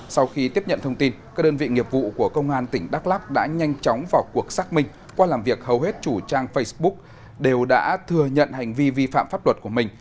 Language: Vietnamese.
sau khi tiếp nhận thông tin các đơn vị nghiệp vụ của công an tỉnh đắk lắc đã nhanh chóng vào cuộc xác minh qua làm việc hầu hết chủ trang facebook đều đã thừa nhận hành vi vi phạm pháp luật của mình